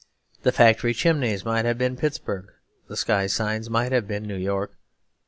The factory chimneys might have been Pittsburg; the sky signs might have been New York.